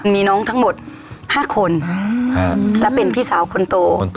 มีน้องทั้งหมด๕คนและเป็นพี่สาวคนโต